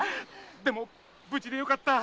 でも無事でよかった！